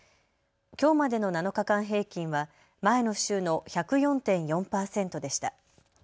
きょうまでの７日間平均は前の週の１０４．４％でした。